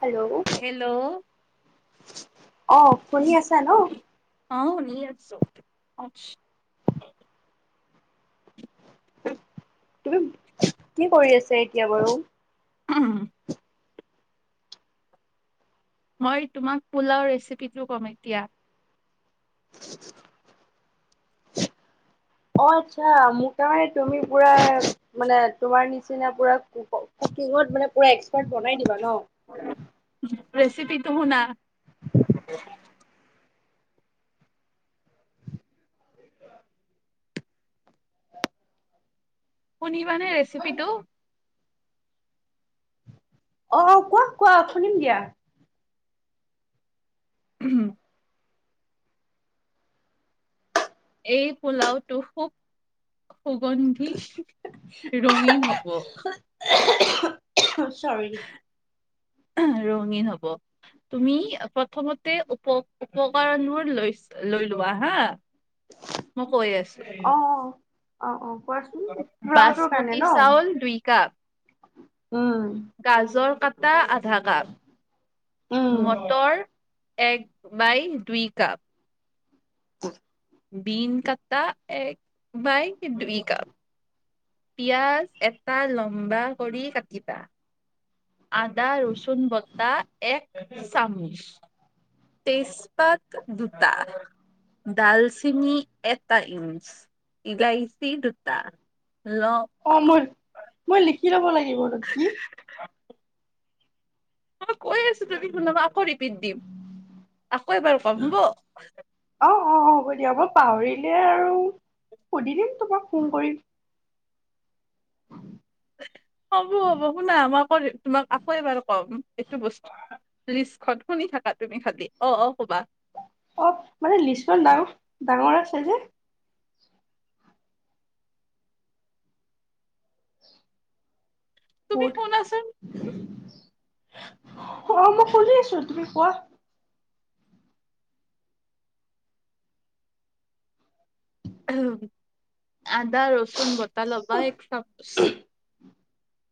Hello! Hello অ শুনি আছা ন? অ শুনি আছো। তুমি কি কৰি আছা এতিয়া বাৰু? উম! মই তোমাক পোলাও ৰেচিপিটো কম এতিয়া। অ আচ্ছা! মোৰ কাৰণে তুমি পুৰা, মানে, তোমাৰ নিচিনা পুৰা কুকিঙত মানে পুৰা এক্সপিৰিয়েঞ্চ ৰেচিপিটো শুনা। শুনিবা নে ৰেচিপি টো? অ'কোৱা কোৱা শুনিম দিয়া। হম! এই পোলাওটো খুব সুগন্ধি ৰঙীন হব। অহ্ অহ্, ‌ চৰি! ৰঙীন হব তুমি প্ৰথমতে উপ, উপকাৰণবোৰ লৈ লৈ লোৱা হা। মই কৈ আছো অ অ অ অ কোৱাচোন পোলাওটোৰ কাৰণে বাচমতি ন চাউল দুই কাপ, উম ‌গাজৰ দুটা আলু উম আধাকাপ মটৰ। এক‌ বাই দুই কাপ উম । বন কটা এক বাই দুই কাপ [unintelligible] পিয়ঁয়াজ এটা লম্বা কৰি কাটিবা। আদা ৰচুন এক চামুচ, তেজপাত দুটা ডালচেনি এটা ইমচ ইলাইচি দুটা। ল অ, মোৰ মই লিখি। লিখি ল'ব লাগিব। এইবৰত কি? মই কৈ আছো যদি কোনবা আকৌ [unintelligible] দিম আকৌ এবাৰ কম হ'ব। অ অ হ'ব দিয়া মই পাহৰিলে আৰু সুধি দিম, তোমাক ফোন কৰিম। হ'ব হ'ব শুনা আমাকৌ তোমাক আকৌ এবাৰ কম, এইটো বস্তু লিষ্টখন শুনি থাকা তুমি খালি অ অ। কবা অ, মানে লিষ্টখন দাম। ডাঙৰ আছে যে। তুমি ক'ত সোনাছোন। অ মই সোনি আছো, তুমি কোৱা। উম । আদা ৰচুন, বতাহ ল'বা এক চামুচ।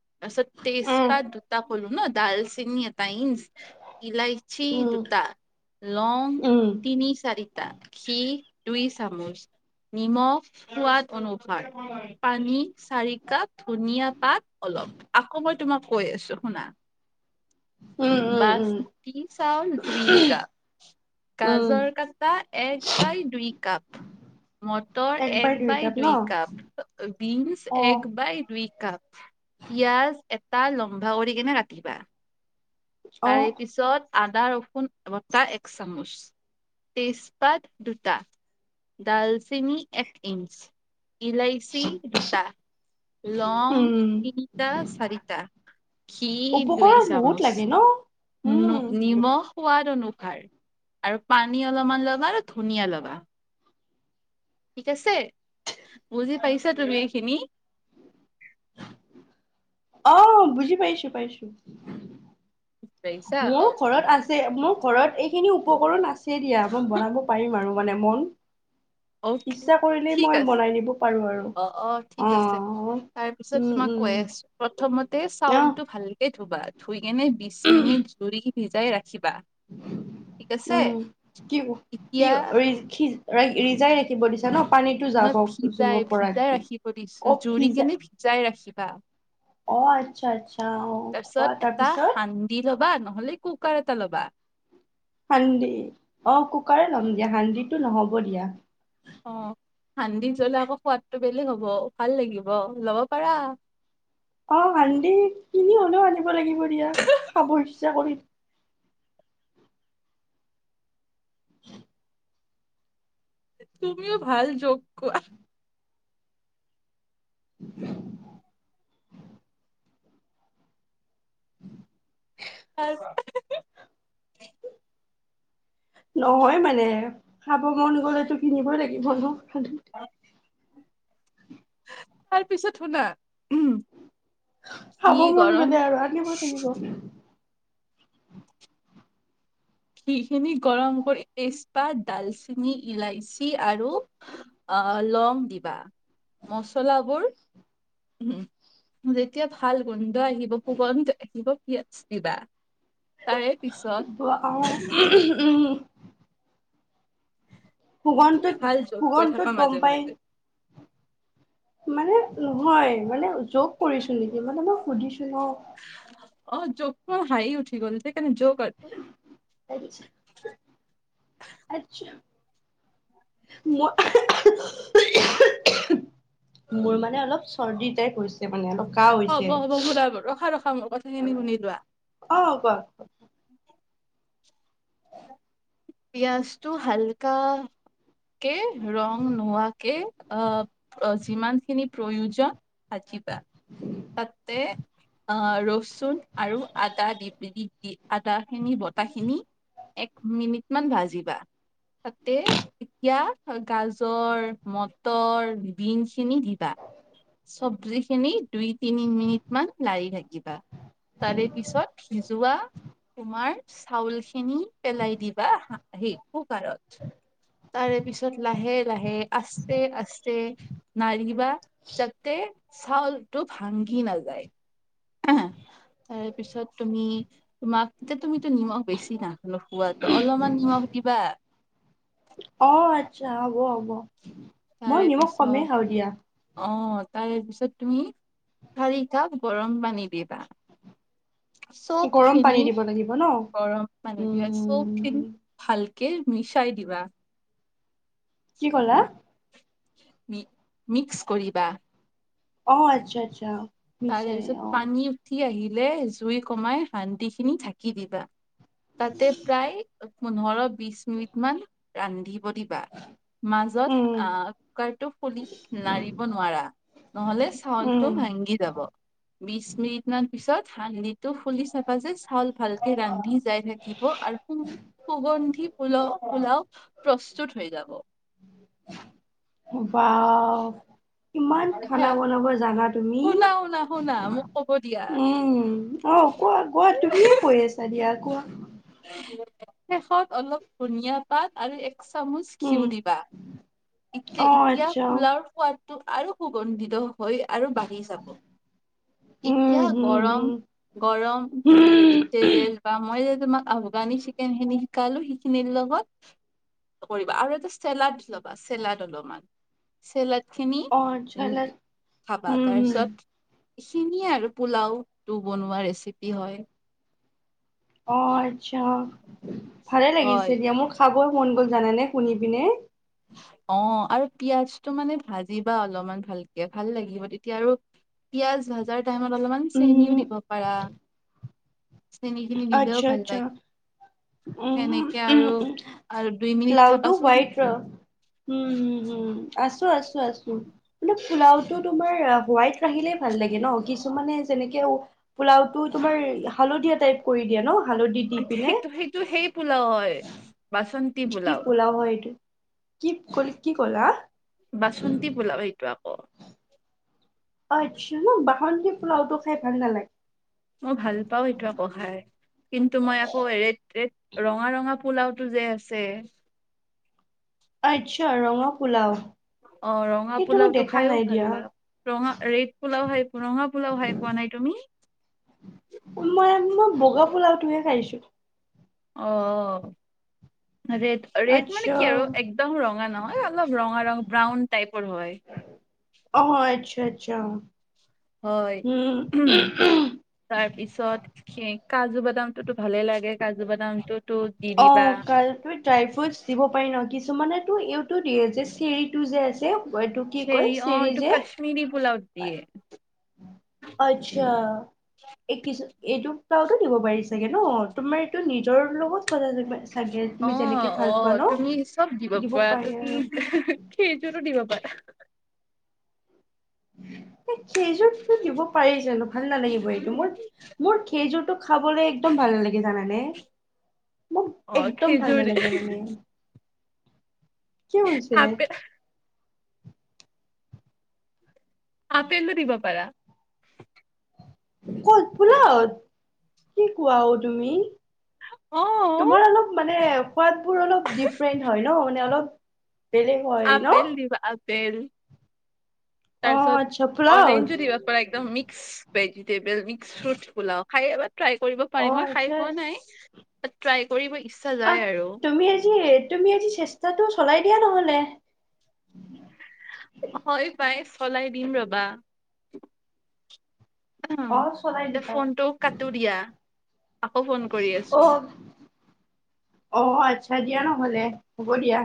তাৰ পাছত, তেইছ উম পাত দুটা। বলো ন ডাল চেঙি [unintelligible] ইলাইচি উম দুটা, লং উম তিনি চাৰিটা খি দুই। চামুচ নিমখ সোৱাদ অনুসাৰ পানী চাৰি কাপ ধুনীয়া পাত অলপ আকৌ মই তোমাক কৈ আছো শুনা উম উম উম বাচমতি চাউল দুই কাপ উম গাজৰ কটা এক বাই দুই কাপ মটৰ এক বাই দুই কাপ বিন্ছ অ এক বাই দুই পিয়াজ এটা লম্বা কৰি কিনে ৰাখিবা অ তাৰে পিছত আদা ৰসুন বটাহ এক চামুচ তেজপাত দুটা ডালচেনি এক ইঞ্চ ইলাইচি দুটা লং উম তিনিটা চাৰিটা ঘি দুই উপকৰণ বহুত চামুচ লাগে ন উম নিমখ সোৱাদ অনুসাৰ আৰু পানী অলপমান ল'বা আৰু ধনীয়া ল'বা টিক আছে বুজি পাইছা তুমি এইখিনি আহ বুজি পাইছো পাইছো পাইছা মোৰ অকে ঘৰত আছে মোক ঘৰত এইখিনি উপকৰণ আছে দিয়া মই বনাব পাৰিম আৰু মানে মন অকে ইচ্ছা কৰিলেই ঠিক মই আছে বনাই দিব পাৰো আৰু অ অ ঠিক আছে তাৰপিছত উম তোমাক উম কৈ আছো প্ৰথমতে চাউল অহ টো ভাল লাগে বা থুই এনেই বিশ মিনিট জৰি সিজাই ৰা উম কি কি এতিয়া ৰিজাই দিব দিছা ন পানীটো যাব নহ জুব ভিজাই ভিজাই পৰাকে ৰাখিব অ দিছো জুৰি ভিজা কেনে ভিজাই ৰাখিব অ অ আচ্ছা আচ্ছা অহ তাৰপিছত খোৱা এটা তাৰপিছত সান্দি ল'বা নহলে কুকাৰ এটা ল'বা সান্দি অ কুকাৰে ল'ম দিয়া সান্দিটো নহ'ব দিয়া অ সান্দি জ্বলা আকৌ সোৱাদটো বেলেগ হব ভাল লাগিব লব পাৰা অ সান্দি কিনি হলেও আনিব লাগিব দিয়া খাব ইচ্ছা কৰি উ তুমিও ভাল যগ কোৱা উ আ হি হি নহয় মানে খাব মন গ'লেটো কিনিবই লাগিব ন অ তাৰ পিছত শুনা উ খাব মন গলে আৰু আনিব লাগিব ঘিখিনি গৰম কৰি তেজপাত ডালচেনি ইলাচি আৰু আহ লং দিবা মচলাবোৰ উম, যেতিয়া ভাল গোন্ধ আহিব, সুগন্ধ আহিব পিয়াজ দিবা। তাৰে পিছত অ উম। তুমি সুগন্ধটোত, ভাল জোক কৈ থাকা সুগন্ধটোত গম মাজে পাই মাজে মানে নহয়, মানে যোগ কৰিছো নেকি?? মানে মই সুধিছো হ অ জগ হাঁহি উঠি গল দে। আত্ছা। মই ওহোঁ, ওহোঁ। মোৰ মানে অলপ চৰ্দিটাইপ হৈছে মানে অলপ কাহ হ'ব হৈছে। হ'ব মোৰ ৰখা ৰখা কথাখিনি শুনি লোৱা অ কোৱা? পিয়াজটো হালকা কে‌ ৰং নোহোৱাকে আহ যিমান খিনি প্ৰয়োজন ভাজিবা। তাতে আ ৰচুন আৰু আদা দি দি দি আদা খিনি বতা খিনি এক মিনিট মান ভাজিবা, তাতে এতিয়া গাজৰ, মটৰ, বিন খিনি দিবা। চব্জি খিনি দুই তিনি মিনিট মান লাৰি থাকিবা তাৰে পিছত সিজোৱা তোমাৰ । চাউল খিনি পেলাই দিবা হা সেই কুকাৰত, তাৰে পিছত লাহে-লাহে আস্তে- আস্তে নাৰিবা যাতে । চাউল । তো ভাংগি নাযায়। অহ তাৰে পিছত তুমি তোমাক এতিয়া তুমিতো নিমখ বেছি না হোৱাতো অলপমান হোৱা বুলি - কিবা । অ আচ্ছা হ'ব-হ'ব। মই তাৰে নিমখ কমেই পিছত খাও দিয়া। অ তাৰে পিছত তুমি চাৰি কাপ গৰম পানী দিবা । চব গৰম পানী খিনি দিব লাগিব ন গৰম মানে [unintelligible] উম খিনি ভালকে কে মিছাই দিবা । কি ক'লা? মি মিক্স কৰিবা । অ' আচ্ছা-আচ্ছা। তাৰে পিছত পানী উঠি আহি - আহিলে জুই কমাই শান্তি খিনি ঢাকি দিবা । তাতে প্ৰায় । পোন্ধৰ, বিশ মিনিট মান ৰান্ধি - অ দিবা মাজত উম আহ কুকাৰটো ফুলি লাৰিব নোৱাৰা নহলে উম চাউলটো ভাংগি বিশ মিনিট মান পিছত হান্দিটো খুলি চাবা যে চাউল ভালকে ৰান্ধি যাই থাকিব আৰু সু-সুগন্ধি পু-পোলাও প্ৰস্তুত হৈ যাব । হোন বাঃ ইমান খানা হে বনাব জানা তুমি, শুনা শুনা শুনা মোক ক'ব দিয়া। উম, অহ কোৱা কোৱা তুমিয়ে কৈ আছা দিয়া কোৱা । শেষত অলপ ধনিয়া পাত আৰু একো দুচামুচ ঘিউ উম, দিবা এতি অ' এতিয়া আচ্ছা পোলাওৰ সোৱাদ। তোক আৰু সুগন্ধিত দিলো হৈ আৰু বাঢ়ি যাব । উম, এতিয়া হুম, হুম। গৰম-গৰম ভেজিটেবল বা মই যে তোমাক- ভগা নি চিকেনখিনি । শিকালো সিখিনিৰ লগত কৰিবা আৰু তাতে চেলাড লবা চেলাড অলপমান চেলাড। খিনি অ' আচ্ছা উম খাবা উম, হুম। তাৰপিছত । এইখিনিয়ে আৰু পোলাও টো বনোৱা ৰেচিপি হয় । অ' আচ্ছা অ' । ভালে হয় লাগিছে দিয়া মোৰ খাবৰ মন গ'ল জানেনে শুনি পিনে । অহ আৰু পিয়াজটো মানে ভাজিবা অলপমান ভালকে ভাল লাগিব তেতিয়া আৰু পিয়াজ ভাজাৰ পিয়াজ টাইমত অলপমান চেনিও উম, দিব পাৰা চেনি খিনি দিলেও আচ্ছা ভাল আচ্ছা লাগে উ সেনেকে উ আৰু উ আৰু দুই মিনিট পোলাওটো থাকাচোন হো উম উম উম আছো আছো আছো তোমাৰ পোলাওতো তোমাৰ হোৱাইট ৰাখিলেই ভাল লাগে ন কি এই মানে যেনেকে পোলাও টো তোমাৰ হালধীয়া টাইপ কৰি দিয়া ন হালধি দি পিনে সেইটো সেইটো সেই পোলাও হয় বাচন কি পোলাও হয় কি টো কি ক'লা বাচন্তি পোলাও সেইটো আকৌ অ আচ্ছা ন বাচন্তি পোলাওটো খাই ভাল নালাগে মই ভাল পাওঁ এইতো খাই কিন্তু মই আকৌ ৰেড ৰেড ৰঙা ৰঙা পোলাওটো যে আছে অ আচ্ছ অ ৰঙা সেইটো মই পোলাও টো দেখা খাইও নাই ভাল দিয়া লাগে ৰঙা ৰেড পোলাও খাই ৰঙা পোলাও খাই পোৱা নাই তুমি মই বগা পোলাওটোহে খাইছো আহ ৰেড ৰেড মানে আচ্ছা কি আৰু একদম ৰঙা নহয় অলপ ৰঙা ৰং ব্ৰাউন টাইপ। অছ [unintelligible] আচ্ আচ্ছা [unintelligible] হয় উম, তাৰ পিছত কাজু বাদাম। দামটোতো ভালে লাগে। কাজু বাদামটোতো দি অ দিবা কাল ড্ৰাই ফ্ৰুট দিব পাৰি ন কি। কিছুমানে এইটো দিয়ে, যে চেৰিটো যে আছে। এইটো কি কয় চেৰি অ, এইটো যে কাশ্মিৰি পোলাও ত দিয়ে। আচ্ছা। এইটো পোলাও তো দিব পাৰি চাগে ন, তোমাৰ এইটো নিজৰ লগত কৰা যেনিবা। অ অ তুমি চব দিব পাৰা, পাৰি আৰু তুমি সেইযোৰতো দিব পাৰা। থে উম। খেইযোৰটো দিব পাৰি জানো, ভাল নালাগিব এইটো মই মোৰ খেযোৰতোক। খাবলৈ একদম ভাল লাগে জানানে। মোক অ একদম ভাল খেজুৰ নালাগে মানে। কিয় হৈছে। আপেল আপেলো দিবা পাৰা। কত ফুলত কি কোৱা অ, তুমি। অ তোমাৰ অলপ মানে সোৱাদ বোৰ অলপ ডিফাৰেন্ট হয় ন, মানে অলপ। বেলেগ হয় ন। বেল। অ তাৰপছত আচ্ছা পোলাও অৰেঞ্জো দিব পাৰা, একদম mix. Vegetable mix fruit pulao খাইবাৰ। ট্ৰাই কৰিব অ পাৰিম, মই খাই আচ্ছা পোৱা নাই। ট্ৰাই কৰিবি। আহ তুমি আজি, তুমি আজি চেষ্টাটো চলাই। দিয়া নহ'লে। হয় পাই, চলাই দিম ৰবা। উম, অ চলাই দিবা ফোনটোও কাটো দিয়া। আকৌ ফোন কৰি অ আছো অ আ' দিয়া নহলে হ'ব দিয়া।